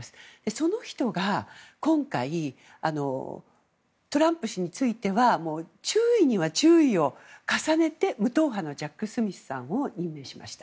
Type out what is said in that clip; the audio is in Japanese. その人が今回トランプ氏については注意には注意を重ねて無党派のジャック・スミスさんを任命しました。